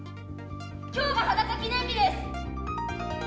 きょうが裸記念日です！